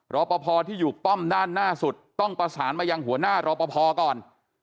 รอปภที่อยู่ป้อมด้านหน้าสุดต้องประสานมายังหัวหน้ารอปภก่อน